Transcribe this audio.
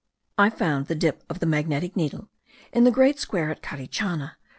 I found the dip of the magnetic needle, in the great square at Carichana, 33.